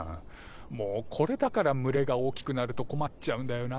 もうこれだから群れが大きくなると困っちゃうんだよな。